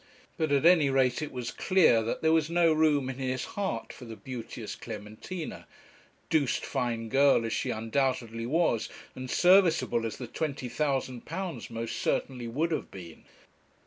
But at any rate it was clear that there was no room in his heart for the beauteous Clementina, 'doosed fine girl' as she undoubtedly was, and serviceable as the £20,000 most certainly would have been.